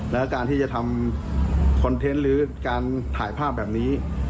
แล้วการที่จะทำคอนเทนต์หรือการถ่ายภาพแบบนี้